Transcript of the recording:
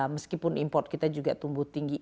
meskipun import kita juga tumbuh tinggi